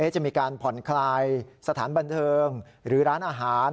จะมีการผ่อนคลายสถานบันเทิงหรือร้านอาหาร